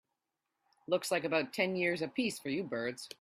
Looks like about ten years a piece for you birds.